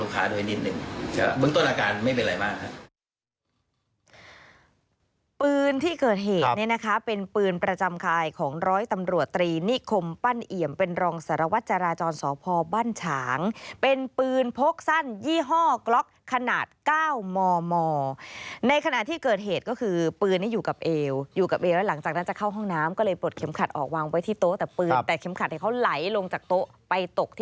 คุณต้นอาการไม่เป็นไรบ้างค่ะ